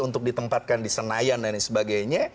untuk ditempatkan di senayan dan sebagainya